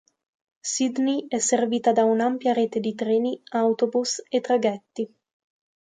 Sydney è servita da un'ampia rete di treni, autobus e traghetti.